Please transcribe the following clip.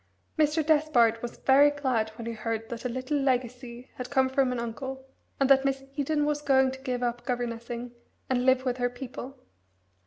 Mr. Despard was very glad when he heard that a little legacy had come from an uncle, and that Miss Eden was going to give up governessing and live with her people.